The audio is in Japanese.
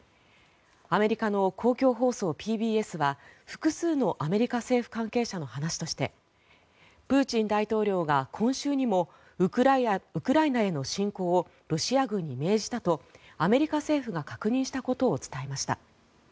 アメリカの公共放送、ＰＢＳは複数のアメリカ関係者の話としてプーチン大統領が今週にもウクライナへの侵攻をロシア軍に命じたとアメリカ政府が確認したことを伝えました。